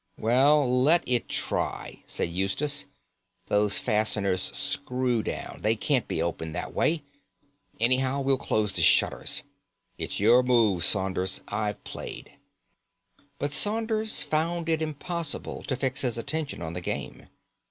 "Well, let it try," said Eustace. "Those fasteners screw down; they can't be opened that way. Anyhow, we'll close the shutters. It's your move, Saunders. I've played." But Saunders found it impossible to fix his attention on the game.